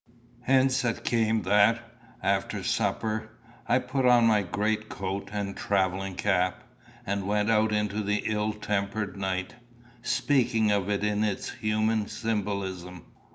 Hence it came that, after supper, I put on my great coat and travelling cap, and went out into the ill tempered night speaking of it in its human symbolism.